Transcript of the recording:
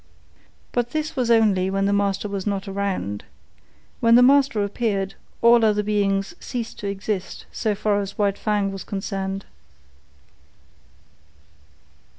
But this was only when the master was not around. When the master appeared, all other beings ceased to exist so far as White Fang was concerned.